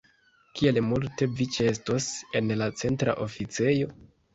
Kiel multe vi ĉeestos en la Centra Oficejo?